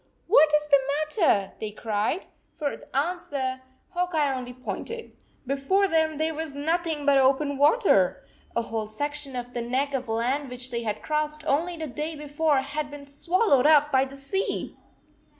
4 What is the matter?" they cried. For answer Hawk Eye only pointed. Before them there was nothing but open water! A whole section of the neck of land which they had crossed only the day before had been swallowed up by the sea